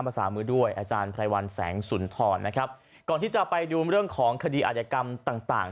ภาษามือด้วยอาจารย์พลายวัลแสงศุนส์ถอนนะครับก่อนที่จะไปดูเรื่องของ